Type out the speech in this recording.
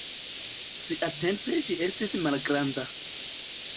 Siatempe ĝi estis malgranda.